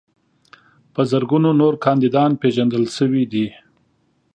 په زرګونو نور کاندیدان پیژندل شوي دي.